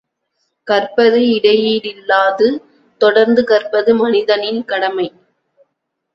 கற்பது இடையீடில்லாது தொடர்ந்து கற்பது மனிதனின் கடமை.